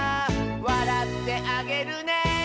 「わらってあげるね」